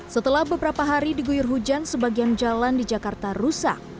setelah beberapa hari diguyur hujan sebagian jalan di jakarta rusak